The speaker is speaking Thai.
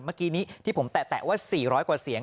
เมื่อกี้นี้ที่ผมแตะว่า๔๐๐กว่าเสียง